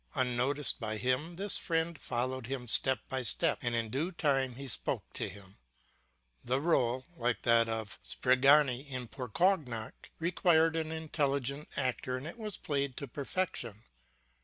Unnoticed by him, this friend followed him step by step, and in due time he spoke to him. The role, like that of Sbrigani in Pourceaugnac, required an intelligent actor, and it was played to perfection.